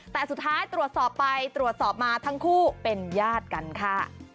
แต่สุดท้ายตรวจสอบไปตรวจสอบมาทั้งคู่เป็นญาติกันค่ะ